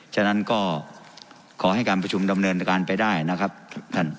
ฉะนั้นก็ขอให้การประชุมดำเนินการไปได้นะครับท่าน